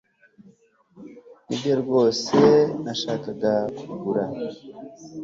Nibyo rwose nashakaga kugura